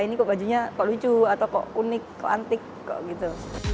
ini kok bajunya kok lucu atau kok unik kok antik kok gitu